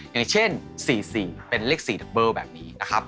อย่างเช่นสี่สี่เป็นเลขสี่ดักเบิ้ลแบบนี้นะครับ